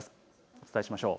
お伝えしましょう。